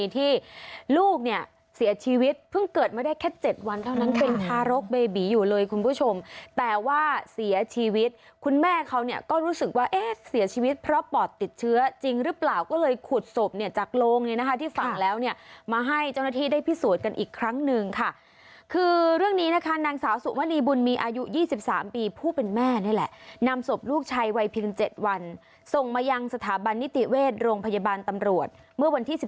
ทีลูกเนี่ยเสียชีวิตเพิ่งเกิดมาได้แค่๗วันเท่านั้นเป็นทารกเบบีอยู่เลยคุณผู้ชมแต่ว่าเสียชีวิตคุณแม่เขาเนี่ยก็รู้สึกว่าเอ๊ะเสียชีวิตเพราะปอดติดเชื้อจริงหรือเปล่าก็เลยขุดศพเนี่ยจากโรงนี้นะคะที่ฝั่งแล้วเนี่ยมาให้เจ้าหน้าที่ได้พิสูจน์กันอีกครั้งนึงค่ะคือเรื่องนี้นะคะนางสาวสุวรร